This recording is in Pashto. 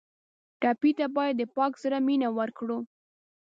ټپي ته باید د پاک زړه مینه ورکړو.